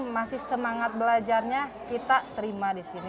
masih semangat belajarnya kita terima di sini